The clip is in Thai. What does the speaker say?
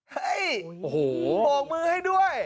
ให้โบกมือให้ด้วย